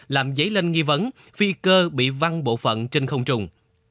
làm dấy lên nghi vấn phi cơ bị văng bộ phận trên không trùng